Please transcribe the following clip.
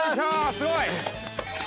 ◆すごい。